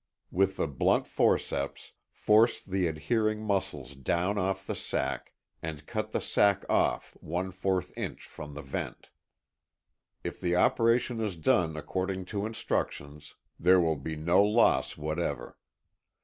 With the blunt forceps, force the adhering muscles down off the sac, and cut the sac off one fourth inch from the vent. If the operation is done according to instructions, there will be no loss whatever.